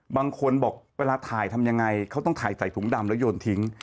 บางคนบอกเวลาถ่ายทำยังไงเขาต้องถ่ายใส่ถุงดำแล้วโยนทิ้ง